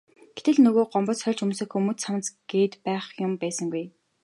Гэтэл нөгөө Гомбод сольж өмсөх өмд цамц гээд байх юм байсангүй.